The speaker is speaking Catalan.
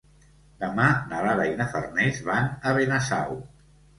Demà na Lara i na Farners van a Benasau.